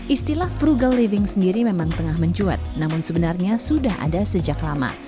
istilah frugal living sendiri memang tengah mencuat namun sebenarnya sudah ada sejak lama